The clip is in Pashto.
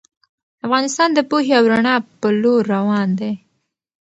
افغانستان د پوهې او رڼا په لور روان دی.